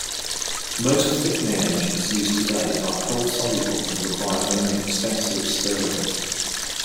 Most thickening agents used today are cold-soluble and require only extensive stirring.